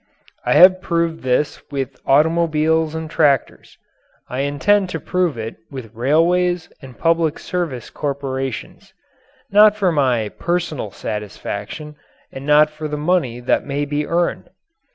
I have proved this with automobiles and tractors. I intend to prove it with railways and public service corporations not for my personal satisfaction and not for the money that may be earned.